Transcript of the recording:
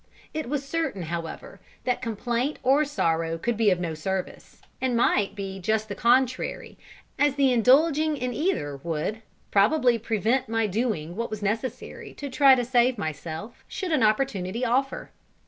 It was certain, however, that complaint or sorrow could be of no service, and might be just the contrary, as the indulging in either would, probably, prevent my doing what was necessary to try and save myself should an opportunity offer.